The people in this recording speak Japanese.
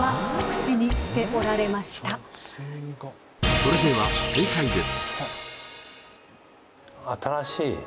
それでは正解です。